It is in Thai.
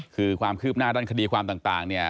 คือความคืบหน้าด้านคดีความต่างเนี่ย